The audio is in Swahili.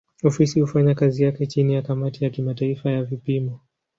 Ofisi hufanya kazi yake chini ya kamati ya kimataifa ya vipimo.